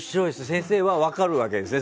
先生は分かるんですね